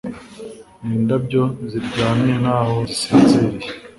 Nindabyo ziryamye nkaho zisinziriye